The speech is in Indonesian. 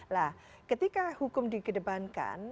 nah ketika hukum dikedepankan